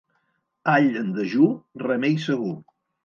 All en dejú, remei segur.